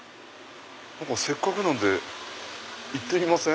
せっかくなんで行ってみません？